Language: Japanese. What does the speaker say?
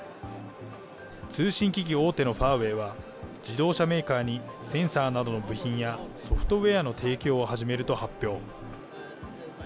通信機器大手のファーウェイは、自動車メーカーにセンサーなどの部品や、ソフトウエアの提供を始めると発表。